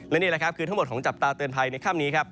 และนี่แหละครับคือทั้งหมดของจับตาเตือนภัยในค่ำนี้ครับ